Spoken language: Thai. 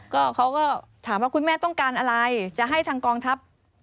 ก็เขาก็ถามว่าคุณแม่ต้องการอะไรจะให้ทางกองทัพ